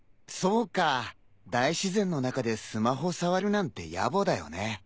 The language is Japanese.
そうか大自然の中でスマホ触るなんてやぼだよね。